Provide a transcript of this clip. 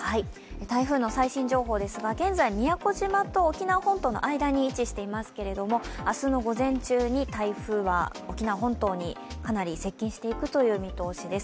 台風の最新情報ですが現在、宮古島と沖縄本島の間に位置していますけれども明日の午前中に台風は沖縄本島にかなり接近していく見通しです。